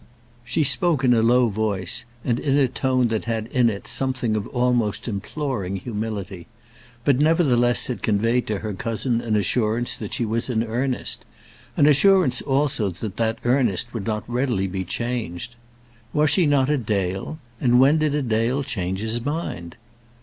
She spoke in a low voice, and in a tone that had in it something of almost imploring humility; but, nevertheless, it conveyed to her cousin an assurance that she was in earnest; an assurance also that that earnest would not readily be changed. Was she not a Dale? And when did a Dale change his mind?